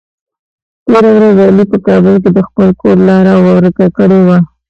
تېره ورځ علي په کابل کې د خپل کور لاره ور که کړې وه.